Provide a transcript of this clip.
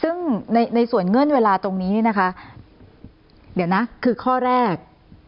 ซึ่งในส่วนเงื่อนเวลาตรงนี้เนี่ยนะคะเดี๋ยวนะคือข้อแรก